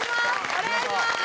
お願いします！